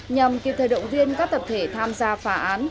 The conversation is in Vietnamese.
nhằm kịp thời động viên các tập thể tham gia phá án